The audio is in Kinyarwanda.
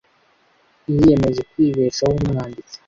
Niyemeje kwibeshaho nkumwanditsi.